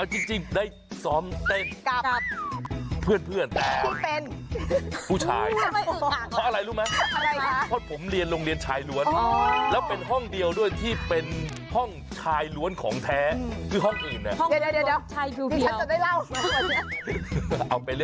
แล้วคุณชอบจริงหรือเปล่า